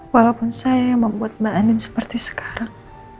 walaupun saya yang membuat mbak anin seperti sekarang